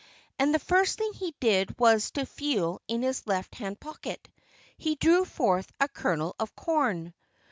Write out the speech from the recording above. And the first thing he did was to feel in his left hand pocket. He drew forth a kernel of corn.